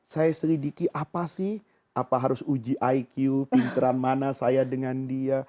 saya selidiki apa sih apa harus uji iq pinteran mana saya dengan dia